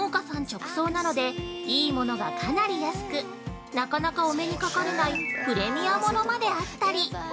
直送なので良い物がかなり安く、なかなかお目にかかれないプレミアものまであったり。